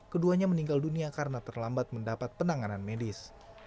keduanya meninggal dunia karena terlambat mendapat penanganan medis